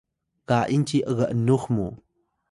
ga’ing ci g’nux mu